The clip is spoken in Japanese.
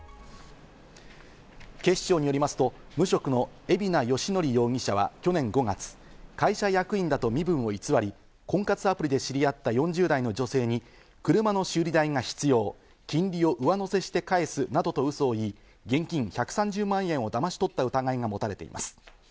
警視庁によりますと、無職の海老名義憲容疑者は去年５月、会社役員だと身分を偽り、婚活アプリで知り合った４０代の女性に車の修理代が必要、金利を上乗せして返すなどウソを言い、現金１３０万円をだまし取った疑いがもたれています。